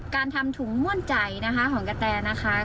การทำถุงม่วนใจนะคะของกะแตนะคะ